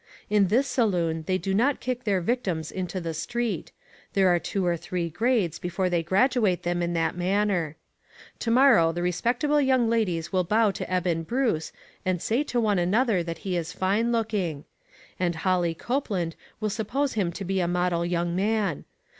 In this saloon they do not kick their victims into the street ; there are two or three grades before they graduate them in that manner. To morrow the respectable young ladies will bow to Eben Bruce, and say to one another that he is fine looking. And Holly Copeland will suppose him to be a model young man.